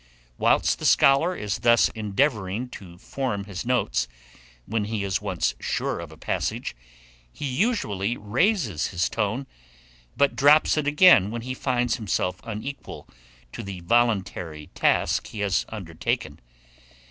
Whilst the scholar is thus endeavouring to form his notes, when he is once sure of a passage, he usually raises his tone, but drops it again when he finds himself unequal to the voluntary task he has undertaken.